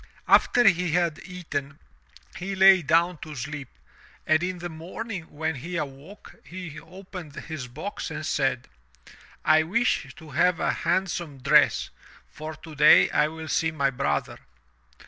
After he had eaten, he lay down to sleep, and in the morning when he awoke, he opened his box and said; "I wish to have a handsome dress, for today I will see my brother."